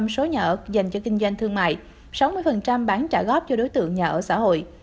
một mươi số nhà ở dành cho kinh doanh thương mại sáu mươi bán trả góp cho đối tượng nhà ở xã hội